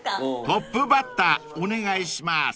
［トップバッターお願いします］